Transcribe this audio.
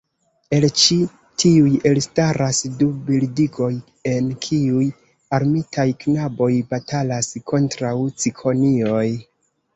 El ĉi tiuj elstaras du bildigoj, en kiuj armitaj knaboj batalas kontraŭ cikonioj.